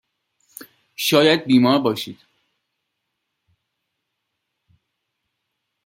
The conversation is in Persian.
شاید بیمار باشید.